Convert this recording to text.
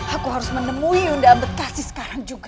aku harus menemui undang ambedkase sekarang juga